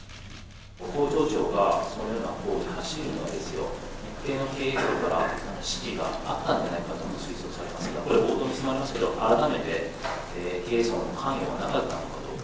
工場長がそのような行為に走るのはですよ、一定の経営陣から指示があったのではないかと推測されると思いますが、これは冒頭の質問なんですけど、改めて経営者の関与はなかったのかどうか。